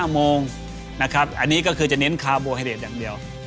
๕โมงอันนี้ก็คือจะเน้นคาร์โบไฮเบรตอย่างเดียว